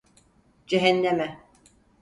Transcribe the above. Cehenneme.